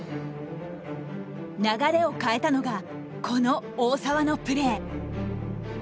流れを変えたのがこの大澤のプレー。